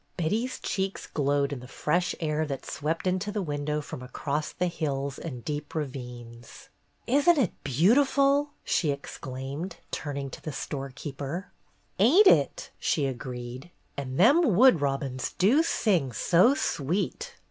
Betty's cheeks glowed in the fresh air that swept into the window from across the hills and deep ravines. "Isn't it beautiful!" she exclaimed, turning to the storekeeper. A GAY LUNCHEON 127 "Ain't it!" she agreed. "An' them wood robins do sing so sweet!"